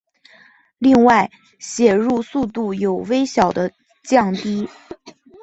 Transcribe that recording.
另外写入速度有微小的降低。